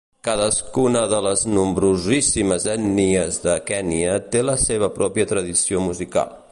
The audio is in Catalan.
Cadascuna de les nombrosíssimes ètnies de Kenya té la seva pròpia tradició musical.